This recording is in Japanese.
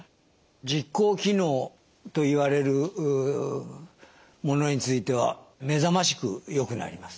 実行機能といわれるものについては目覚ましくよくなります。